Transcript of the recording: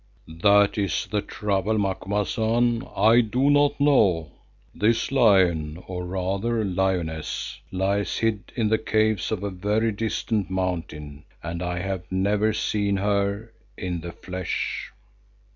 "That is the trouble, Macumazahn. I do not know. This lion, or rather lioness, lies hid in the caves of a very distant mountain and I have never seen her—in the flesh."